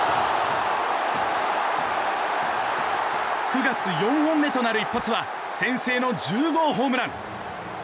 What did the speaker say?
９月４本目となる一発は先制の１０号ホームラン！